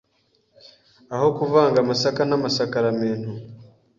aho kuvanga amasaka namasakaramentu